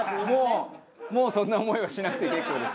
もうそんな思いはしなくて結構です。